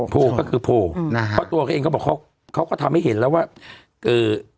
โพลก็คือโพลนะฮะเพราะตัวเขาเองก็บอกเขาเขาก็ทำให้เห็นแล้วว่าเอ่อ